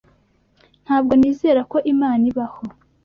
Ntabwo nizera ko Imana ibaho.